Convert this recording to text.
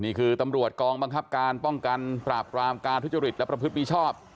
นี่คือตำรวจกองมานับการป้องกันปราบรามการทุศฤฤตและพระพฤตของบุริจาควรพิชาท